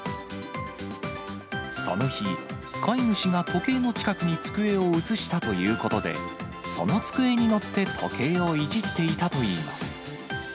その日、飼い主が時計の近くに机を移したということで、その机に乗って時計をいじっていたといいます。